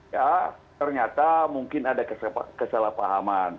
ya ternyata mungkin ada kesalahpahaman